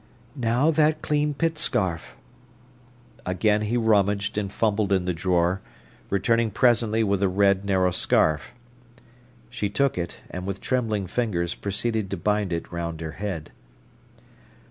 "Now that clean pit scarf." Again he rummaged and fumbled in the drawer, returning presently with a red, narrow scarf. She took it, and with trembling fingers proceeded to bind it round her head.